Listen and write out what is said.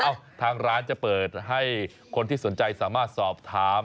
ทางร้านจะเปิดให้คนที่สนใจสามารถสอบถาม